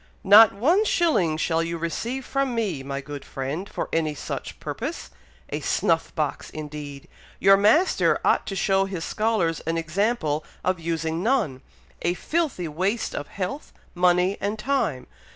"Not one shilling shall you receive from me, my good friend, for any such purpose! a snuff box, indeed! your master ought to show his scholars an example of using none! a filthy waste of health, money, and time.